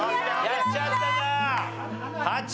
やっちゃった。